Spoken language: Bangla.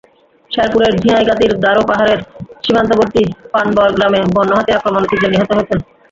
শেরপুরের ঝিনাইগাতীর গারো পাহাড়ের সীমান্তবর্তী পানবর গ্রামে বন্য হাতির আক্রমণে তিনজন নিহত হয়েছেন।